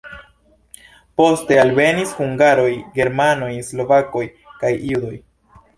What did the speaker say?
Poste alvenis hungaroj, germanoj, slovakoj kaj judoj.